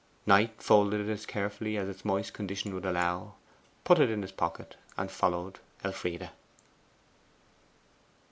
Knight folded it as carefully as its moist condition would allow, put it in his pocket, and followed Elfride.